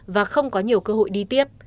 và không có nhiều cơ hội đi tiếp